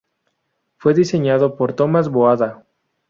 Fue diseñada por Thomas Boada.